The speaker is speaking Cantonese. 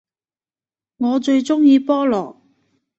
我最鍾意菠蘿